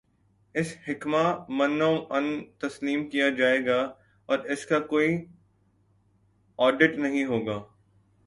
اسے حکما من و عن تسلیم کیا جائے گا اور اس کا کوئی آڈٹ نہیں ہو گا۔